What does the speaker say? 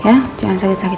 ya jangan sakit sakit